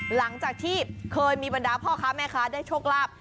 หลังจากที่เคยมีบรรดาพ่อค้าแม่ค้าได้โชคลาภ